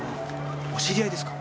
お知り合いですか？